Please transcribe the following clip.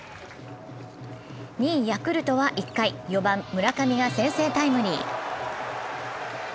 ２位、ヤクルトは１回、４番・村上が先制タイムリー。